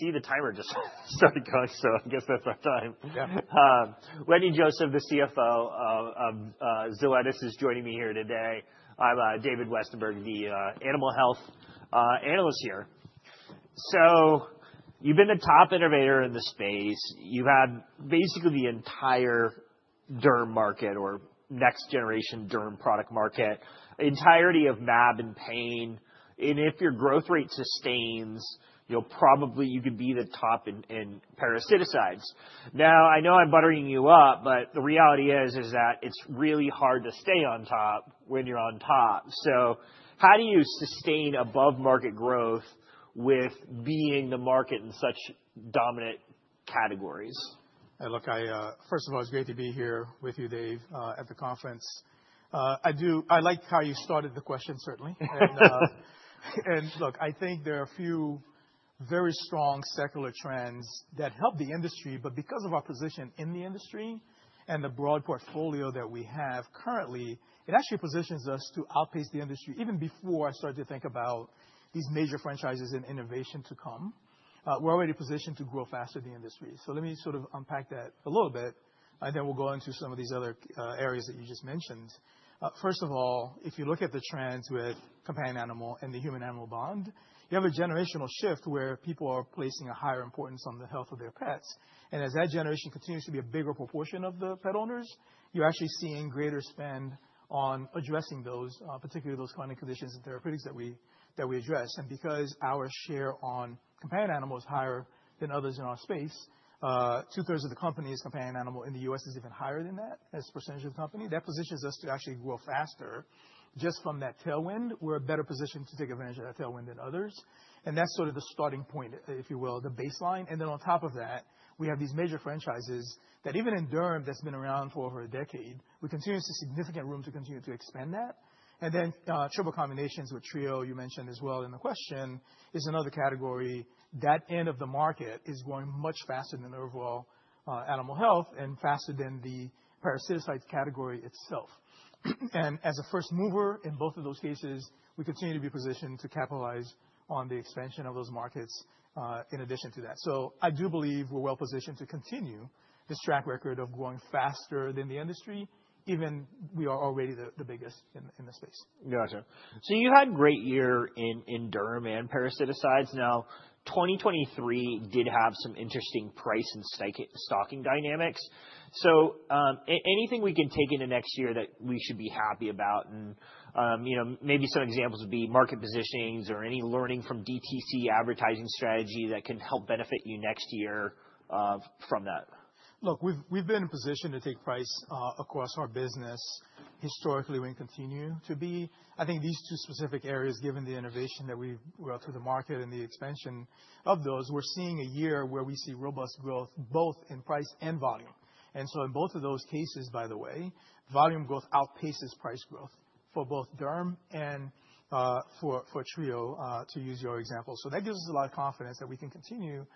See the timer just started going, so I guess that's our time. Yeah. Wetteny Joseph, the CFO of Zoetis, is joining me here today. I'm David Westenberg, the animal health analyst here. So you've been the top innovator in the space. You've had basically the entire derm market or next-generation derm product market, the entirety of mAb and pain. And if your growth rate sustains, you'll probably be the top in parasiticides. Now, I know I'm buttering you up, but the reality is that it's really hard to stay on top when you're on top. So how do you sustain above-market growth with being the market in such dominant categories? Hey, look, first of all, it's great to be here with you, Dave, at the conference. I like how you started the question, certainly. And look, I think there are a few very strong secular trends that help the industry. But because of our position in the industry and the broad portfolio that we have currently, it actually positions us to outpace the industry even before I started to think about these major franchises and innovation to come. We're already positioned to grow faster than the industry. So let me sort of unpack that a little bit, and then we'll go into some of these other areas that you just mentioned. First of all, if you look at the trends with companion animal and the human-animal bond, you have a generational shift where people are placing a higher importance on the health of their pets. And as that generation continues to be a bigger proportion of the pet owners, you're actually seeing greater spend on addressing those, particularly those chronic conditions and therapeutics that we address. And because our share on companion animals is higher than others in our space, 2/3 of the company's companion animal in the U.S. is even higher than that as a percentage of the company. That positions us to actually grow faster. Just from that tailwind, we're in a better position to take advantage of that tailwind than others. And that's sort of the starting point, if you will, the baseline. And then on top of that, we have these major franchises that even in Derm that's been around for over a decade, we continue to see significant room to continue to expand that. And then triple combinations with Trio, you mentioned as well in the question, is another category that the end of the market is growing much faster than overall animal health and faster than the parasiticide category itself. And as a first mover in both of those cases, we continue to be positioned to capitalize on the expansion of those markets in addition to that. So I do believe we're well positioned to continue this track record of growing faster than the industry, even though we are already the biggest in the space. Gotcha. So you've had a great year in Derm and parasiticides. Now, 2023 did have some interesting price and stocking dynamics. So anything we can take into next year that we should be happy about? And maybe some examples would be market positionings or any learning from DTC advertising strategy that can help benefit you next year from that? Look, we've been in position to take price across our business historically and continue to be. I think these two specific areas, given the innovation that we brought to the market and the expansion of those, we're seeing a year where we see robust growth both in price and volume. And so in both of those cases, by the way, volume growth outpaces price growth for both Derm and for Trio, to use your example. So that gives us a lot of confidence that we can continue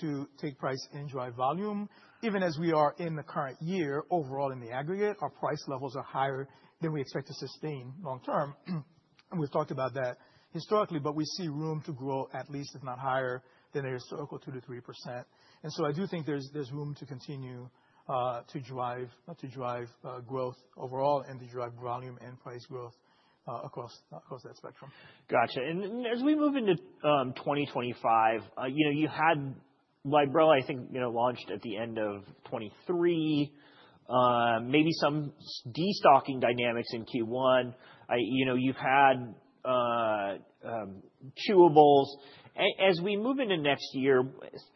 to take price and drive volume. Even as we are in the current year, overall in the aggregate, our price levels are higher than we expect to sustain long-term. And we've talked about that historically, but we see room to grow at least, if not higher, than a historical 2%-3%. I do think there's room to continue to drive growth overall and to drive volume and price growth across that spectrum. Gotcha. And as we move into 2025, you had Librela, I think, launched at the end of 2023, maybe some de-stocking dynamics in Q1. You've had chewables. As we move into next year,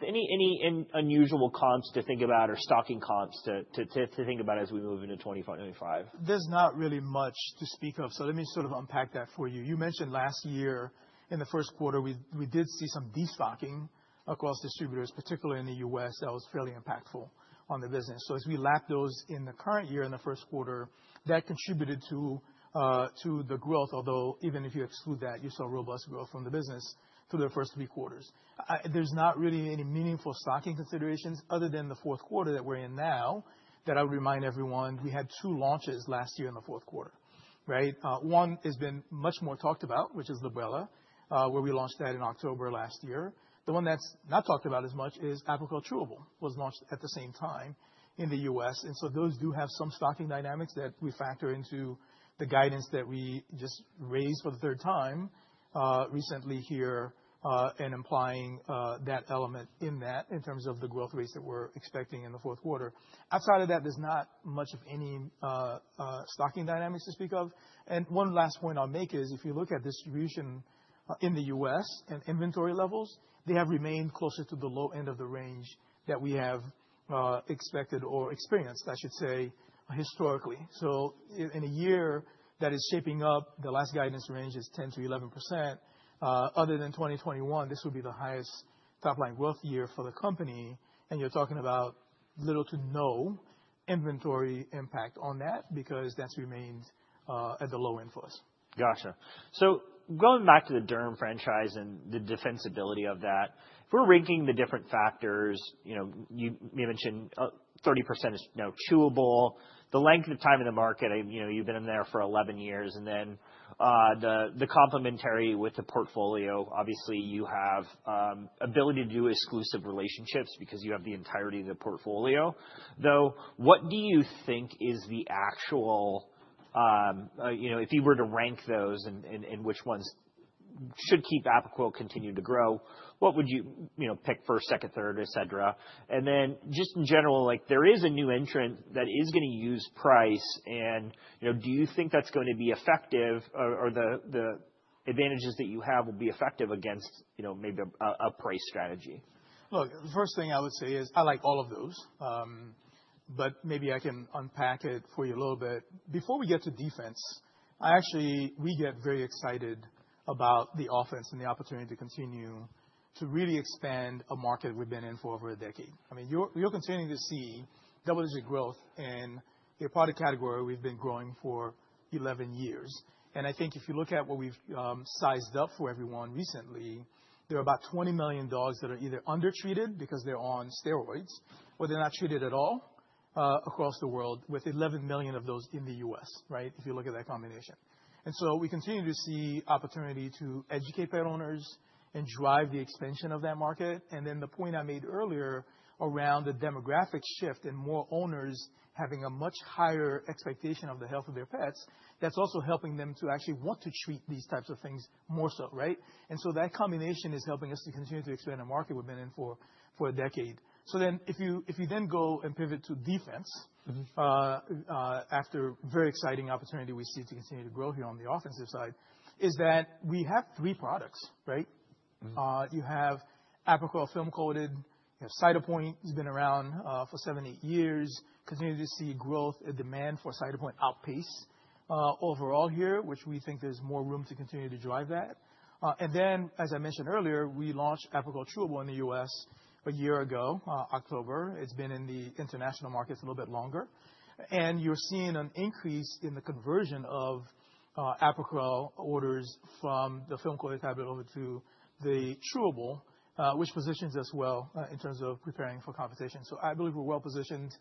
any unusual comps to think about or stocking comps to think about as we move into 2025? There's not really much to speak of. So let me sort of unpack that for you. You mentioned last year, in the Q1, we did see some de-stocking across distributors, particularly in the U.S., that was fairly impactful on the business. So as we lapped those in the current year in the Q1, that contributed to the growth, although even if you exclude that, you saw robust growth from the business through the first three quarters. There's not really any meaningful stocking considerations other than the Q4 that we're in now that I would remind everyone we had two launches last year in the Q4, right? One has been much more talked about, which is Librela, where we launched that in October last year. The one that's not talked about as much is Apoquel Chewable was launched at the same time in the U.S. So those do have some stocking dynamics that we factor into the guidance that we just raised for the third time recently here and implying that element in that in terms of the growth rates that we're expecting in the Q4. Outside of that, there's not much of any stocking dynamics to speak of. One last point I'll make is if you look at distribution in the U.S. and inventory levels, they have remained closer to the low end of the range that we have expected or experienced, I should say, historically. In a year that is shaping up, the last guidance range is 10% to 11%. Other than 2021, this would be the highest top-line growth year for the company. You're talking about little to no inventory impact on that because that's remained at the low end for us. Gotcha. So going back to the Derm franchise and the defensibility of that, if we're ranking the different factors, you mentioned 30% is now chewable. The length of time in the market, you've been in there for 11 years. And then the complementary with the portfolio, obviously, you have the ability to do exclusive relationships because you have the entirety of the portfolio. Though, what do you think is the actual if you were to rank those and which ones should keep Apoquel continuing to grow, what would you pick first, second, third, et cetera? And then just in general, there is a new entrant that is going to use price. And do you think that's going to be effective or the advantages that you have will be effective against maybe a price strategy? Look, the first thing I would say is I like all of those, but maybe I can unpack it for you a little bit. Before we get to defense, I actually, we get very excited about the offense and the opportunity to continue to really expand a market we've been in for over a decade. I mean, you're continuing to see double-digit growth in a product category we've been growing for 11 years. And I think if you look at what we've sized up for everyone recently, there are about 20 million dogs that are either undertreated because they're on steroids or they're not treated at all across the world, with 11 million of those in the U.S., right, if you look at that combination. And so we continue to see opportunity to educate pet owners and drive the expansion of that market. And then the point I made earlier around the demographic shift and more owners having a much higher expectation of the health of their pets, that's also helping them to actually want to treat these types of things more so, right? And so that combination is helping us to continue to expand a market we've been in for a decade. So then if you then go and pivot to defense after a very exciting opportunity we see to continue to grow here on the offensive side, is that we have three products, right? You have Apoquel Film-Coated. You have Cytopoint. It's been around for seven, eight years. Continue to see growth. The demand for Cytopoint outpaced overall here, which we think there's more room to continue to drive that. And then, as I mentioned earlier, we launched Apoquel Chewable in the U.S. a year ago, October. It's been in the international markets a little bit longer, and you're seeing an increase in the conversion of Apoquel orders from the Film-Coated tablet over to the Chewable, which positions us well in terms of preparing for competition, so I believe we're well positioned.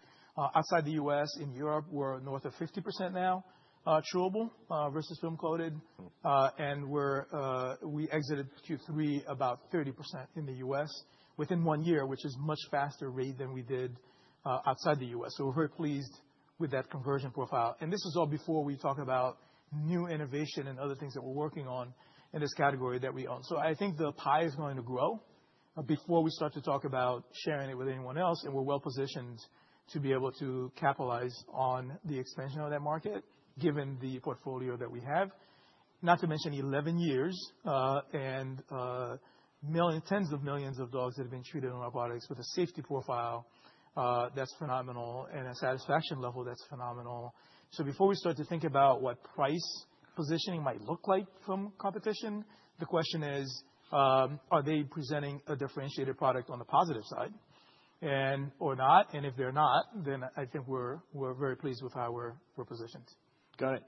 Outside the U.S., in Europe, we're north of 50% now, Chewable versus Film-Coated, and we exited Q3 about 30% in the U.S. within one year, which is a much faster rate than we did outside the U.S., so we're very pleased with that conversion profile, and this is all before we talk about new innovation and other things that we're working on in this category that we own, so I think the pie is going to grow before we start to talk about sharing it with anyone else. And we're well positioned to be able to capitalize on the expansion of that market, given the portfolio that we have, not to mention 11 years and tens of millions of dogs that have been treated on Apoquel with a safety profile that's phenomenal and a satisfaction level that's phenomenal. So before we start to think about what price positioning might look like from competition, the question is, are they presenting a differentiated product on the positive side or not? And if they're not, then I think we're very pleased with how we're positioned. Got it.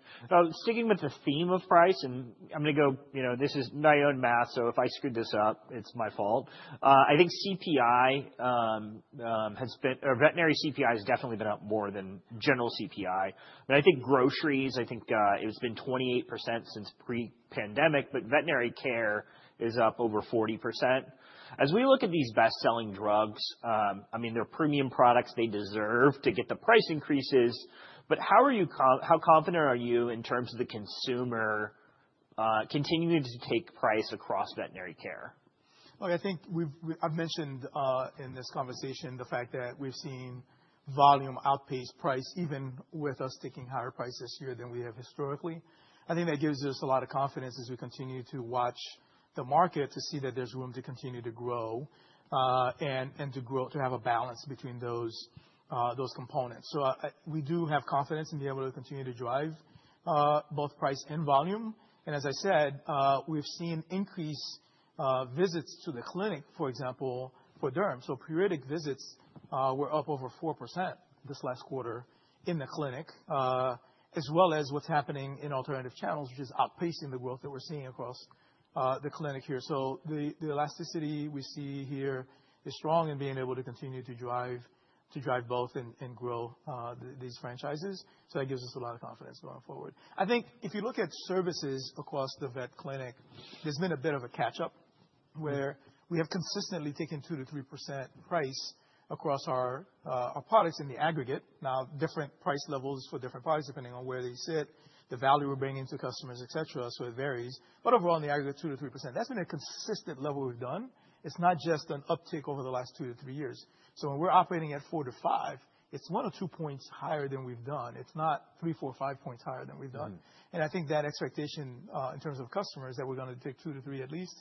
Sticking with the theme of price, and I'm going to go. This is my own math, so if I screwed this up, it's my fault. I think CPI has been, or veterinary CPI has definitely been up more than general CPI, but I think groceries. I think it's been 28% since pre-pandemic, but veterinary care is up over 40%. As we look at these best-selling drugs, I mean, they're premium products. They deserve to get the price increases. But how confident are you in terms of the consumer continuing to take price across veterinary care? Look, I think I've mentioned in this conversation the fact that we've seen volume outpace price, even with us taking higher prices here than we have historically. I think that gives us a lot of confidence as we continue to watch the market to see that there's room to continue to grow and to have a balance between those components. So we do have confidence in being able to continue to drive both price and volume. And as I said, we've seen increased visits to the clinic, for example, for Derm. So periodic visits were up over 4% this last quarter in the clinic, as well as what's happening in alternative channels, which is outpacing the growth that we're seeing across the clinic here. So the elasticity we see here is strong in being able to continue to drive both and grow these franchises. So that gives us a lot of confidence going forward. I think if you look at services across the vet clinic, there's been a bit of a catch-up where we have consistently taken 2%-3% price across our products in the aggregate. Now, different price levels for different products depending on where they sit, the value we're bringing to customers, et cetera. So it varies. But overall, in the aggregate, 2%-3%. That's been a consistent level we've done. It's not just an uptick over the last two to three years. So when we're operating at 4%-5%, it's one or two points higher than we've done. It's not three, four, five points higher than we've done. And I think that expectation in terms of customers that we're going to take 2%-3% at least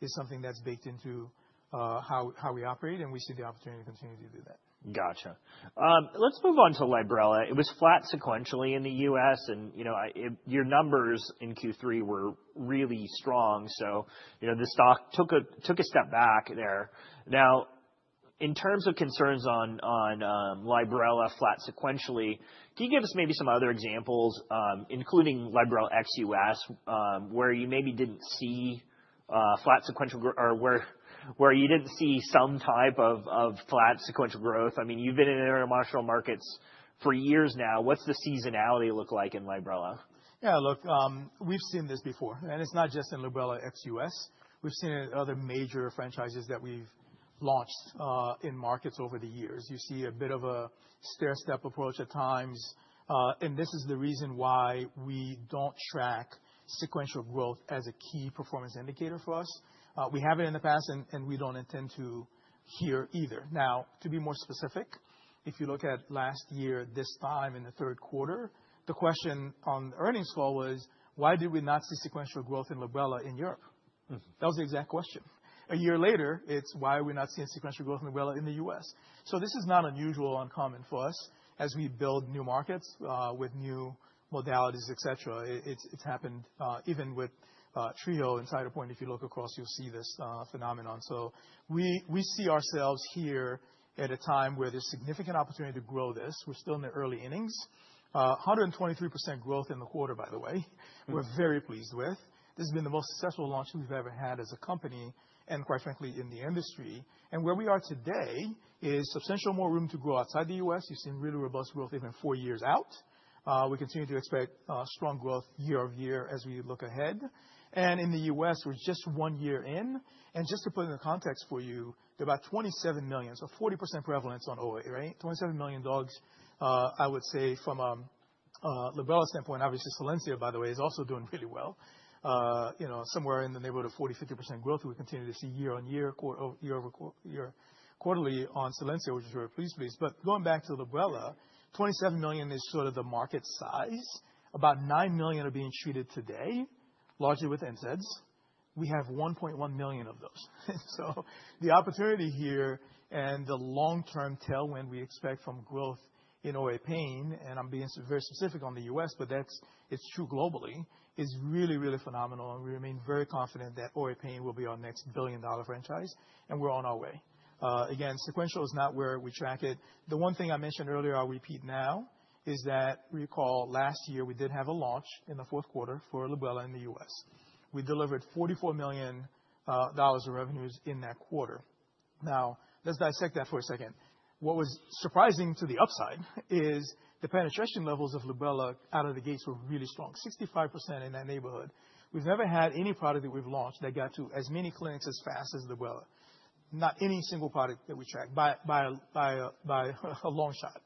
is something that's baked into how we operate. We see the opportunity to continue to do that. Gotcha. Let's move on to Librela. It was flat sequentially in the U.S. And your numbers in Q3 were really strong. So the stock took a step back there. Now, in terms of concerns on Librela flat sequentially, can you give us maybe some other examples, including Librela ex-U.S., where you maybe didn't see flat sequential or where you didn't see some type of flat sequential growth? I mean, you've been in international markets for years now. What's the seasonality look like in Librela? Yeah, look, we've seen this before, and it's not just in Librela ex-US. We've seen it in other major franchises that we've launched in markets over the years. You see a bit of a stair-step approach at times, and this is the reason why we don't track sequential growth as a key performance indicator for us. We have it in the past, and we don't intend to here either. Now, to be more specific, if you look at last year, this time in the Q3, the question on earnings call was, why did we not see sequential growth in Librela in Europe? That was the exact question. A year later, it's why are we not seeing sequential growth in Librela in the U.S.? So this is not unusual or uncommon for us as we build new markets with new modalities, et cetera. It's happened even with Trio and Cytopoint. If you look across, you'll see this phenomenon. So we see ourselves here at a time where there's significant opportunity to grow this. We're still in the early innings. 123% growth in the quarter, by the way, we're very pleased with. This has been the most successful launch we've ever had as a company and, quite frankly, in the industry. And where we are today is substantial more room to grow outside the U.S. You've seen really robust growth even four years out. We continue to expect strong growth year over year as we look ahead. And in the U.S., we're just one year in. And just to put it in context for you, there are about 27 million, so 40% prevalence on OA, right? 27 million dogs, I would say, from a Librela standpoint. Obviously, Solensia, by the way, is also doing really well. Somewhere in the neighborhood of 40%-50% growth, we continue to see year on year, quarterly on Solensia, which is very pleasing. But going back to Librela, 27 million is sort of the market size. About 9 million are being treated today, largely with NSAIDs. We have 1.1 million of those. So the opportunity here and the long-term tailwind we expect from growth in OA pain, and I'm being very specific on the U.S., but it's true globally, is really, really phenomenal. And we remain very confident that OA pain will be our next billion-dollar franchise. And we're on our way. Again, sequential is not where we track it. The one thing I mentioned earlier, I'll repeat now, is that we recall last year we did have a launch in the Q4 for Librela in the U.S. We delivered $44 million of revenues in that quarter. Now, let's dissect that for a second. What was surprising to the upside is the penetration levels of Librela out of the gates were really strong, 65% in that neighborhood. We've never had any product that we've launched that got to as many clinics as fast as Librela, not any single product that we track by a long shot.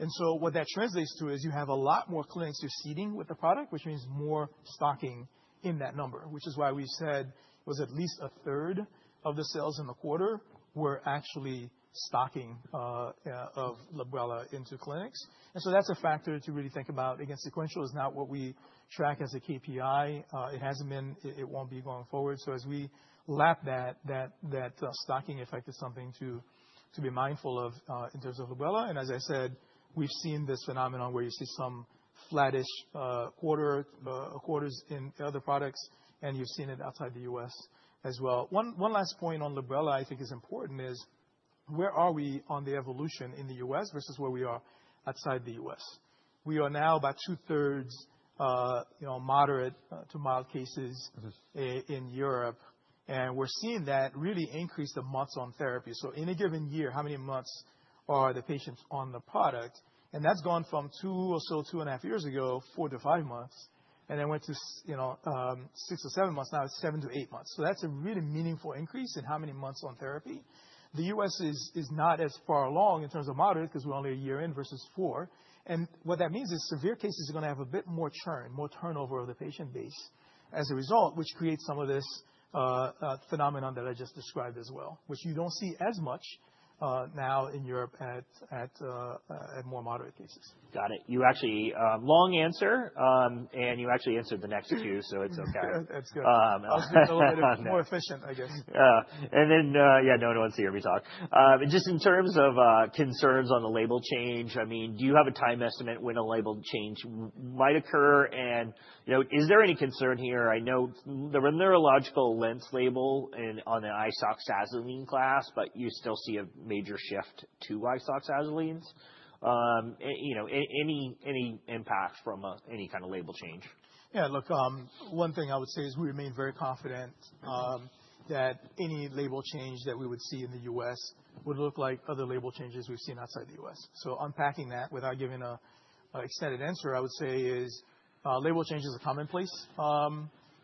And so what that translates to is you have a lot more clinics you're seeding with the product, which means more stocking in that number, which is why we said it was at least a third of the sales in the quarter were actually stocking of Librela into clinics. And so that's a factor to really think about. Again, sequential is not what we track as a KPI. It hasn't been, it won't be going forward. So as we lap that, that stocking effect is something to be mindful of in terms of Librela. And as I said, we've seen this phenomenon where you see some flattish quarters in other products, and you've seen it outside the U.S. as well. One last point on Librela I think is important is where are we on the evolution in the U.S. versus where we are outside the U.S.? We are now about 2/3 moderate to mild cases in Europe. And we're seeing that really increase the months on therapy. So in a given year, how many months are the patients on the product? And that's gone from two or so, two and a half years ago, four to five months, and then went to six or seven months. Now it's seven to eight months. So that's a really meaningful increase in how many months on therapy. The U.S. is not as far along in terms of moderate because we're only a year in versus four. And what that means is severe cases are going to have a bit more churn, more turnover of the patient base as a result, which creates some of this phenomenon that I just described as well, which you don't see as much now in Europe at more moderate cases. Got it. You actually gave a long answer, and you actually answered the next two, so it's OK. That's good. I was just a little bit more efficient, I guess. Just in terms of concerns on a label change, I mean, do you have a time estimate when a label change might occur? And is there any concern here? I know the neurological events label on the isoxazoline class, but you still see a major shift to isoxazolines. Any impact from any kind of label change? Yeah, look, one thing I would say is we remain very confident that any label change that we would see in the U.S. would look like other label changes we've seen outside the U.S. So unpacking that without giving an extended answer, I would say is label changes are commonplace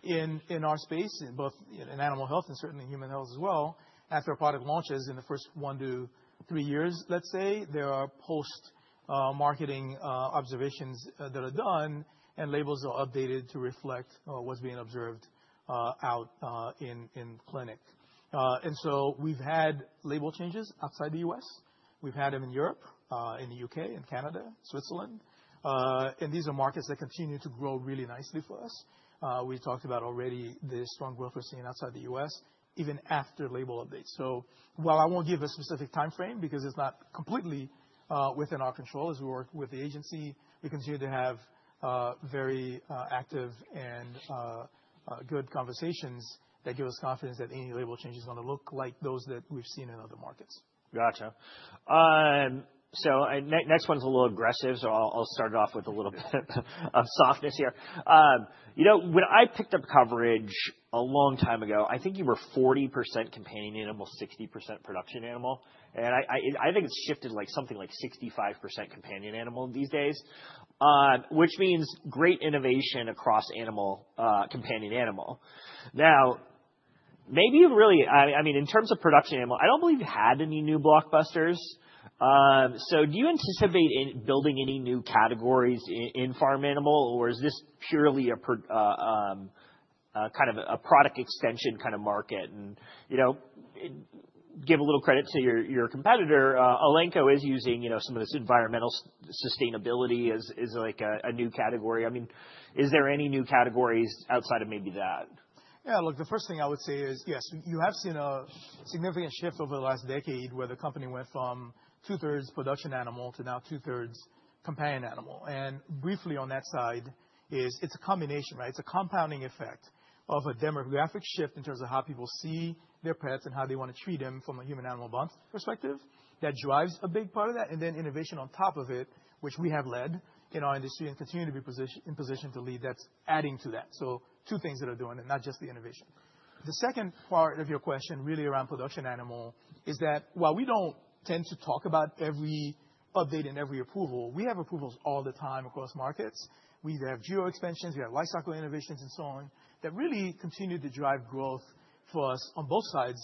in our space, both in animal health and certainly in human health as well. After a product launches in the first one to three years, let's say, there are post-marketing observations that are done, and labels are updated to reflect what's being observed out in clinic. And so we've had label changes outside the U.S. We've had them in Europe, in the U.K., in Canada, Switzerland. And these are markets that continue to grow really nicely for us. We talked about already the strong growth we're seeing outside the U.S., even after label updates. So while I won't give a specific time frame because it's not completely within our control as we work with the agency, we continue to have very active and good conversations that give us confidence that any label change is going to look like those that we've seen in other markets. Gotcha. So next one's a little aggressive. So I'll start it off with a little bit of softness here. When I picked up coverage a long time ago, I think you were 40% companion animal, 60% production animal. And I think it's shifted like something like 65% companion animal these days, which means great innovation across companion animal. Now, maybe really, I mean, in terms of production animal, I don't believe you had any new blockbusters. So do you anticipate building any new categories in farm animal, or is this purely kind of a product extension kind of market? And give a little credit to your competitor. Elanco is using some of this environmental sustainability as like a new category. I mean, is there any new categories outside of maybe that? Yeah, look, the first thing I would say is, yes, you have seen a significant shift over the last decade where the company went from two-thirds production animal to now two-thirds companion animal. And briefly on that side is it's a combination, right? It's a compounding effect of a demographic shift in terms of how people see their pets and how they want to treat them from a human-animal bond perspective that drives a big part of that. And then innovation on top of it, which we have led in our industry and continue to be in position to lead, that's adding to that. So two things that are doing it, not just the innovation. The second part of your question really around production animal is that while we don't tend to talk about every update and every approval, we have approvals all the time across markets. We either have geo expansions, we have life cycle innovations, and so on that really continue to drive growth for us on both sides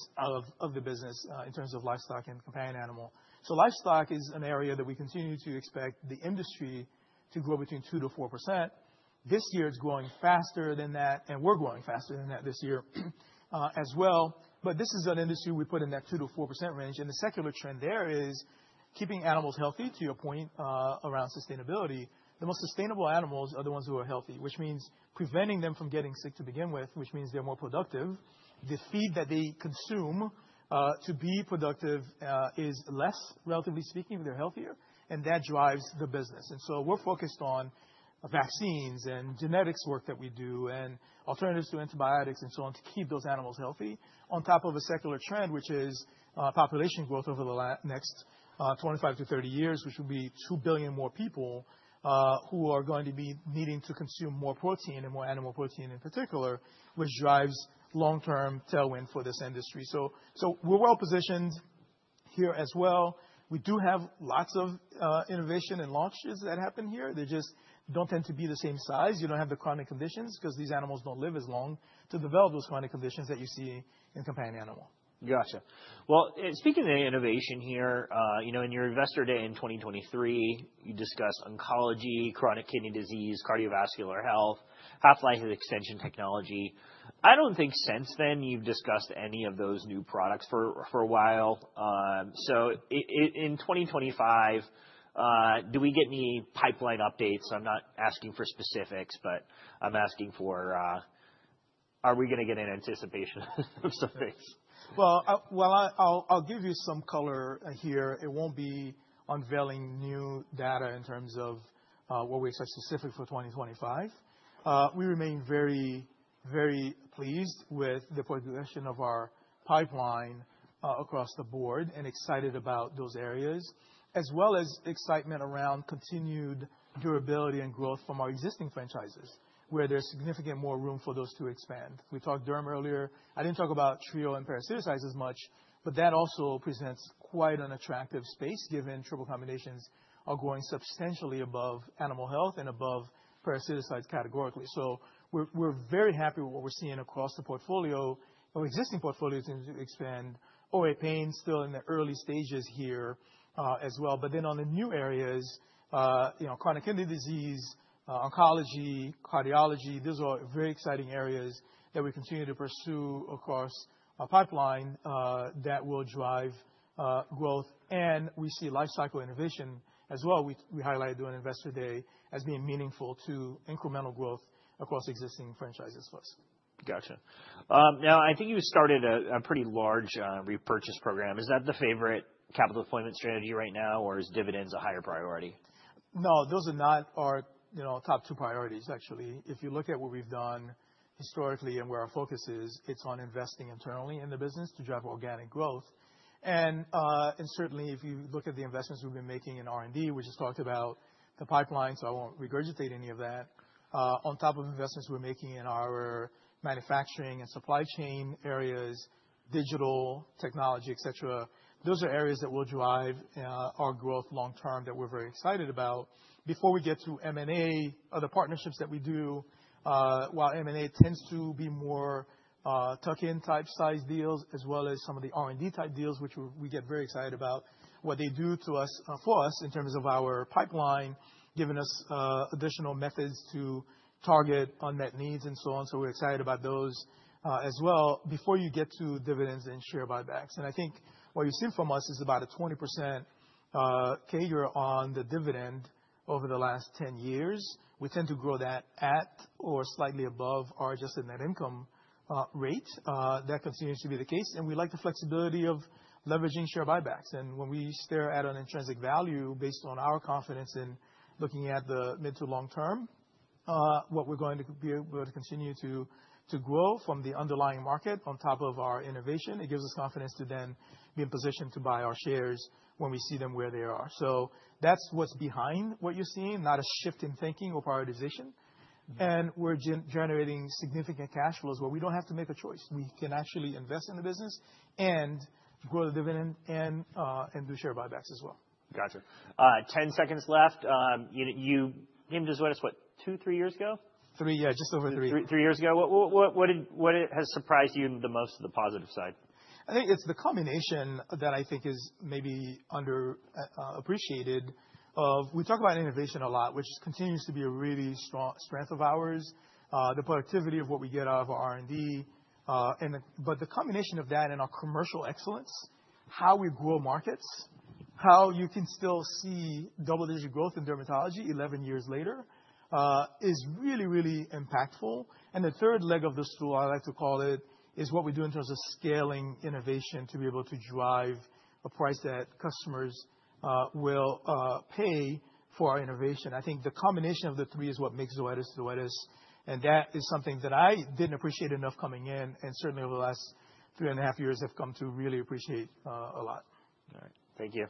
of the business in terms of livestock and companion animal. So livestock is an area that we continue to expect the industry to grow between 2%-4%. This year it's growing faster than that, and we're growing faster than that this year as well. But this is an industry we put in that 2%-4% range. And the secular trend there is keeping animals healthy, to your point, around sustainability. The most sustainable animals are the ones who are healthy, which means preventing them from getting sick to begin with, which means they're more productive. The feed that they consume to be productive is less, relatively speaking, if they're healthier. And that drives the business. And so we're focused on vaccines and genetics work that we do and alternatives to antibiotics and so on to keep those animals healthy on top of a secular trend, which is population growth over the next 25-30 years, which will be 2 billion more people who are going to be needing to consume more protein and more animal protein in particular, which drives long-term tailwind for this industry. So we're well positioned here as well. We do have lots of innovation and launches that happen here. They just don't tend to be the same size. You don't have the chronic conditions because these animals don't live as long to develop those chronic conditions that you see in companion animal. Gotcha. Well, speaking of innovation here, in your investor day in 2023, you discussed oncology, chronic kidney disease, cardiovascular health, half-life extension technology. I don't think since then you've discussed any of those new products for a while. So in 2025, do we get any pipeline updates? I'm not asking for specifics, but I'm asking for, are we going to get an anticipation of some things? I'll give you some color here. It won't be unveiling new data in terms of what we expect specifically for 2025. We remain very, very pleased with the progression of our pipeline across the board and excited about those areas, as well as excitement around continued durability and growth from our existing franchises, where there's significant more room for those to expand. We talked Derm earlier. I didn't talk about Trio and parasiticides as much, but that also presents quite an attractive space given triple combinations are growing substantially above animal health and above parasiticides categorically. So we're very happy with what we're seeing across the portfolio. Our existing portfolio is going to expand. OA Pain is still in the early stages here as well. But then on the new areas, chronic kidney disease, oncology, cardiovascular health, those are very exciting areas that we continue to pursue across our pipeline that will drive growth. And we see life cycle innovation as well. We highlighted during investor day as being meaningful to incremental growth across existing franchises for us. Gotcha. Now, I think you started a pretty large repurchase program. Is that the favorite capital deployment strategy right now, or is dividends a higher priority? No, those are not our top two priorities, actually. If you look at what we've done historically and where our focus is, it's on investing internally in the business to drive organic growth. And certainly, if you look at the investments we've been making in R&D, we just talked about the pipeline, so I won't regurgitate any of that. On top of investments we're making in our manufacturing and supply chain areas, digital technology, et cetera, those are areas that will drive our growth long term that we're very excited about. Before we get to M&A, other partnerships that we do, while M&A tends to be more tuck-in type size deals, as well as some of the R&D type deals, which we get very excited about what they do for us in terms of our pipeline, giving us additional methods to target unmet needs and so on. So we're excited about those as well before you get to dividends and share buybacks. And I think what you've seen from us is about a 20% CAGR on the dividend over the last 10 years. We tend to grow that at or slightly above our adjusted net income rate. That continues to be the case. And we like the flexibility of leveraging share buybacks. And when we stare at an intrinsic value based on our confidence in looking at the mid to long term, what we're going to be able to continue to grow from the underlying market on top of our innovation, it gives us confidence to then be in position to buy our shares when we see them where they are. So that's what's behind what you're seeing, not a shift in thinking or prioritization. We're generating significant cash flows where we don't have to make a choice. We can actually invest in the business and grow the dividend and do share buybacks as well. Gotcha. 10 seconds left. You came to us, what, two, three years ago? Three, yeah, just over three. Three years ago. What has surprised you the most, the positive side? I think it's the combination that I think is maybe underappreciated of we talk about innovation a lot, which continues to be a really strong strength of ours, the productivity of what we get out of our R&D, but the combination of that and our commercial excellence, how we grow markets, how you can still see double-digit growth in dermatology 11 years later, is really, really impactful, and the third leg of the stool, I like to call it, is what we do in terms of scaling innovation to be able to drive a price that customers will pay for our innovation. I think the combination of the three is what makes Zoetis the Zoetis, and that is something that I didn't appreciate enough coming in, and certainly over the last three and a half years, have come to really appreciate a lot. All right. Thank you.